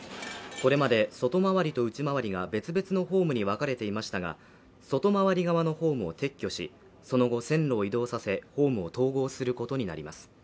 これまで外回りと内回りが別々のホームに分かれていましたが外回り側のホームを撤去しその後線路を移動させホームを統合することになります